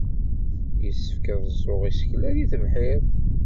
Yessefk ad ẓẓuɣ isekla deg tebḥirt.